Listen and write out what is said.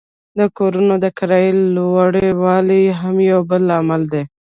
د کورونو د کرایې لوړوالی هم یو بل لامل دی